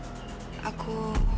hai bahkan aku